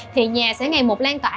thì nhà sẽ ngày một lan tỏa